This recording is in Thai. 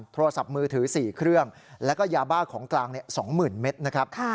โทรศัพท์มือถือ๔เครื่องแล้วก็ยาบ้าของกลาง๒๐๐๐เมตรนะครับ